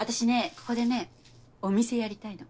ここでねお店やりたいの。